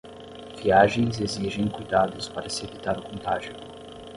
Viagens exigem cuidados para se evitar o contágio